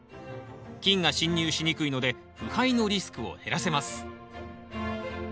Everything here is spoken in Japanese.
菌が侵入しにくいので腐敗のリスクを減らせます。